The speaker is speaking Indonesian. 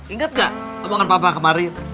ingat gak omongan papa kemarin